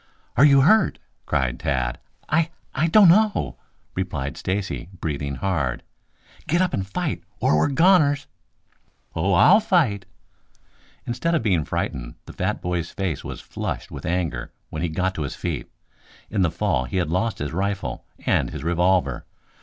"Are you hurt?" cried Tad. "I I don't know," replied Stacy, breathing hard. "Get up and fight, or we're goners!" "Oh, I'll fight!" Instead of being frightened, the fat boy's face was flushed with anger when he got to his feet. In the fall he had lost his rifle and his revolver.